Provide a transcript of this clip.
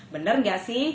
bener nggak sih